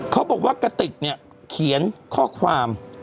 เขาบอกว่ากติกเนี่ยเขียนข้อความ